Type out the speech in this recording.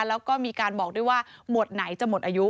แล้วก็มีการบอกด้วยว่าหมวดไหนจะหมดอายุ